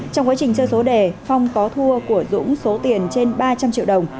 trong quá trình chơi số đề phong có thua của dũng số tiền trên ba trăm linh triệu đồng